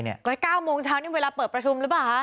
ก็๙โมงเช้านี่เวลาเปิดประชุมหรือเปล่าคะ